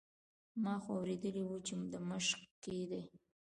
ما خو اورېدلي وو چې د مشق کې دی.